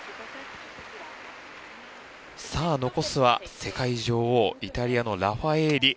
さあ残すは世界女王イタリアのラファエーリ